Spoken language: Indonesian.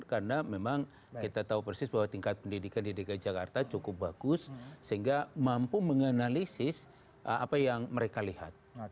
karena memang kita tahu persis bahwa tingkat pendidikan di dki jakarta cukup bagus sehingga mampu menganalisis apa yang mereka lihat